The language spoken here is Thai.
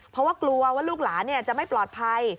เพราะว่ากลัวว่าลูกหลานจะไม่ปลอดภัย